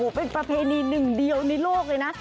เป็นประเพณีหนึ่งเดียวในโลกเลยนะ